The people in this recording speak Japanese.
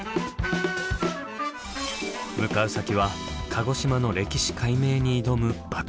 向かう先は鹿児島の歴史解明に挑むバックヤード。